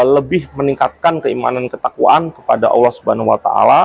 lebih meningkatkan keimanan ketakwaan kepada allah swt